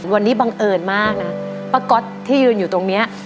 วันนี้บังเอิญมากนะป้าก๊อตที่ยืนอยู่ตรงนี้